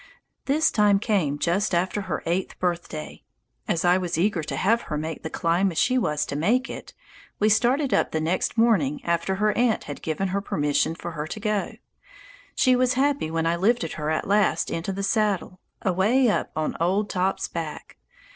This time came just after her eighth birthday. As I was as eager to have her make the climb as she was to make it, we started up the next morning after her aunt had given permission for her to go. She was happy when I lifted her at last into the saddle, away up on old "Top's" back.